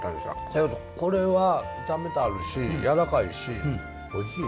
せやけどこれは炒めてあるしやわらかいしおいしいですな。